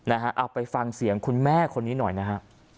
เอาไปฟังเสียงคุณแม่คนนี้หน่อยนะฮะ